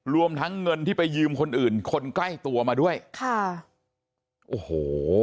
รวมทั้งเงินที่ไปยืมคนอื่นคนใกล้ตัวมาด้วยค่ะโอ้โห